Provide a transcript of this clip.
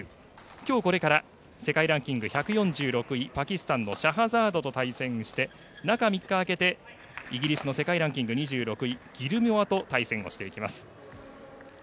きょうこれから世界ランキング１４６位パキスタンのシャハザードと対戦して中３日あけてイギリスの世界ランキング２７位ギルモアと対戦していきます。